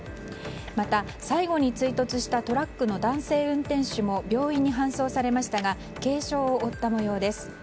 また、最後に追突したトラックの男性運転手も病院に搬送されましたが軽傷を負った模様です。